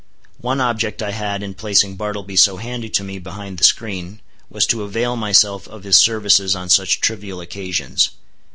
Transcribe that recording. One object I had in placing Bartleby so handy to me behind the screen, was to avail myself of his services on such trivial occasions.